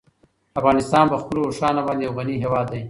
افغانستان په خپلو اوښانو باندې یو غني هېواد دی.